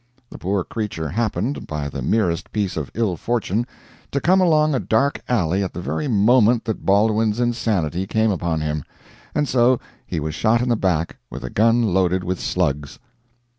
The poor creature happened, by the merest piece of ill fortune, to come along a dark alley at the very moment that Baldwin's insanity came upon him, and so he was shot in the back with a gun loaded with slugs.